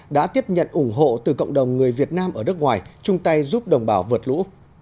đã tiếp nhận ủng hộ từ cộng đồng người việt nam ở nước ngoài chung tay giúp đồng bào vượt lũ